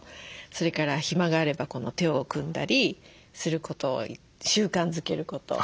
それから暇があれば手を組んだりすることを習慣づけること。